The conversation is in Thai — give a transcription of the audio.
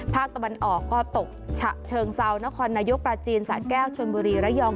ภาคตะวันออกก็ตกฉะเชิงเซานครนายกปราจีนสะแก้วชนบุรีระยอง